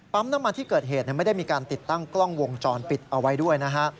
น้ำมันที่เกิดเหตุไม่ได้มีการติดตั้งกล้องวงจรปิดเอาไว้ด้วยนะฮะ